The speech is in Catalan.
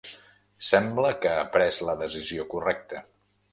Sembla que ha pres la decisió correcta.